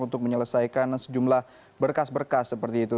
untuk menyelesaikan sejumlah berkas berkas seperti itu